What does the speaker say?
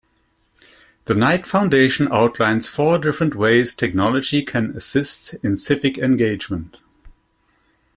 The Knight Foundation outlines four different ways technology can assist in civic engagement.